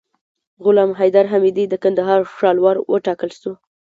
غلام حیدر حمیدي د کندهار ښاروال وټاکل سو